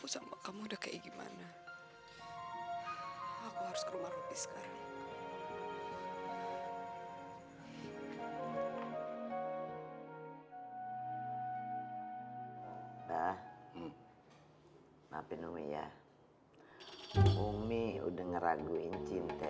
umi udah ngeraguin cinta